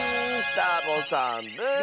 サボさんブーッ！